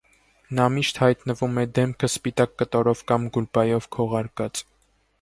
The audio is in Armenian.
Նա միշտ հայտնվում է դեմքը սպիտակ կտորով կամ գուլպայով քողարկած։